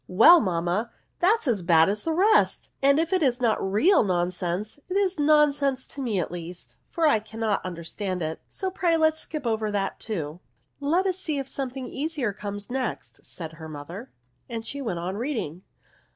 " Well, mamma, that is as bad as the rest ; and if it is not real nonsense, it is nonsense NOUNS. O to me at leasts for I cannot understand it ; so pray let us skip over that too. *' Let us see if something easier comes next," said her mother, and she went on reading.